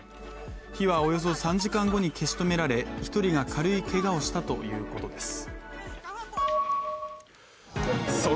火はおよそ３時間後に消し止められ１人が軽いけがをしたということです。